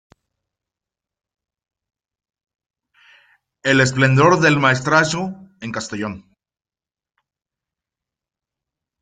El esplendor del Maestrazgo en Castellón.